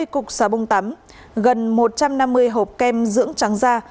hai mươi cục xà bông tắm gần một trăm năm mươi hộp kem dưỡng trắng da